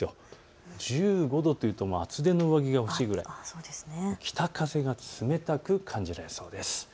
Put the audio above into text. １５度というと厚手の上着が欲しいくらい北風が冷たく感じられそうです。